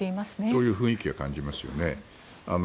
そういう雰囲気は感じますよね。